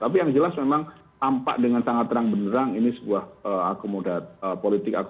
tapi yang jelas memang tampak dengan sangat terang benerang ini sebuah akomodasi politik